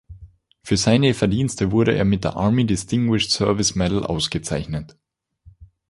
Für seine Verdienste wurde er mit der Army Distinguished Service Medal ausgezeichnet.